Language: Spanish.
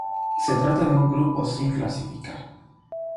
Se trata de un grupo sin clasificar.